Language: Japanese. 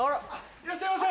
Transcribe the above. ・いらっしゃいませ・